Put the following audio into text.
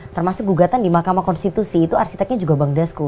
termasuk gugatan di mahkamah konstitusi itu arsiteknya juga bang dasko